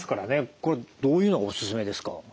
これどういうのがおすすめですか？